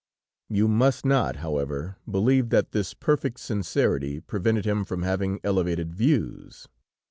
You must not, however, believe that this perfect sincerity prevented him from having elevated views.